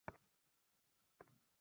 এই সব চেনা পথে তাঁর তৃষ্ণা মেটেনি।